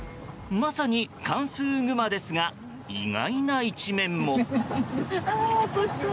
まさにカンフーグマですが意外な一面も。